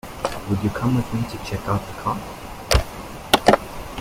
Would you come with me to check out the car?